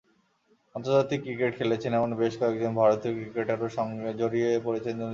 আন্তর্জাতিক ক্রিকেট খেলেছেন এমন বেশ কয়েকজন ভারতীয় ক্রিকেটারও জড়িয়ে পড়েছেন দুর্নীতির সঙ্গে।